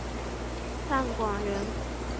范广人。